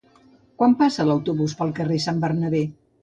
Quan passa l'autobús pel carrer Sant Bernabé?